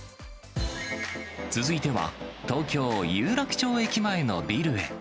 続いては、東京・有楽町駅前のビルへ。